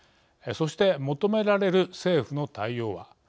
そして求められる政府の対応は。